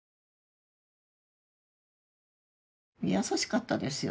優しかったですよ